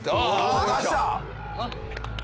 出した！